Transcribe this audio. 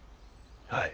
はい。